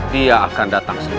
dia akan datang sendiri